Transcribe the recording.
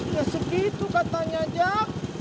ya segitu katanya jack